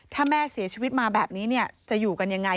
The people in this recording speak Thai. ถ้าแม่เสียชีวิตมาแบบนี้จะอยู่กันยังไง